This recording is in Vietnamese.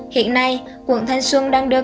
hiện nay quận thanh xuân đang đưa